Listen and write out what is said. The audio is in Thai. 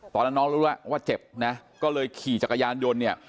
ตอนนั้นน้องรู้แล้วว่าเจ็บนะก็เลยขี่จักรยานยนต์เนี่ย